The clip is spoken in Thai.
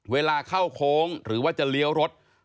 เวลาเข้าโค้งหรือว่าจะเลี้ยวรถ